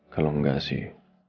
kalau enggak sih